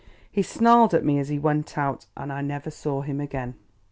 He snarled at me as he went out, and I never saw him again.